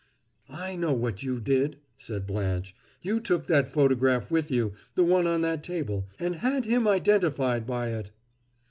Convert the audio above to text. "I know what you did," said Blanche. "You took that photograph with you the one on that table and had him identified by it!"